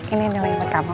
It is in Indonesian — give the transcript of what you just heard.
ini nilai pertama